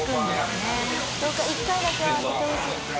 どうか１回だけは当ててほしい。